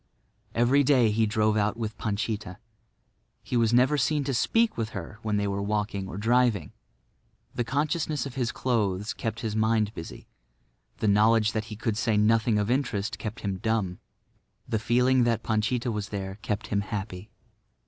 Every day he drove out with Panchita. He was never seen to speak to her when they were walking or driving. The consciousness of his clothes kept his mind busy; the knowledge that he could say nothing of interest kept him dumb; the feeling that Panchita was there kept him happy.